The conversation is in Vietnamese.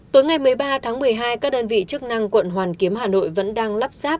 tối ngày một mươi ba tháng một mươi hai các đơn vị chức năng quận hoàn kiếm hà nội vẫn đang lắp ráp